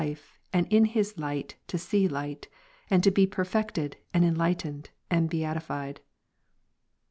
life, and in His light to see light, and to be perfected, and en lightened, and beatified.